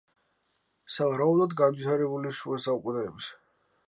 სავარაუდოდ, განვითარებული შუა საუკუნეების.